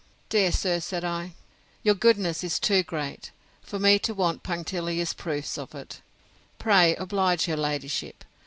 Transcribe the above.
—Dear sir, said I, your goodness is too great, for me to want punctilious proofs of it. Pray oblige her ladyship.